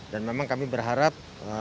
dan memang kami berharap warga masyarakat